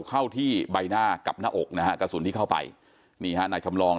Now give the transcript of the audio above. เข้าที่ใบหน้ากับหน้าอกนะฮะกระสุนที่เข้าไปนี่ฮะนายจำลอง